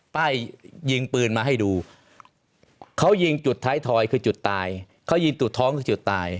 ป้ายยิงปืนมาให้ดูเขายิงจุดท้ายทอยคือจุดตายเขายิงจุดท้องคือจุดตาย